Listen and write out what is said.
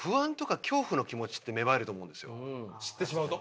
知ってしまうと？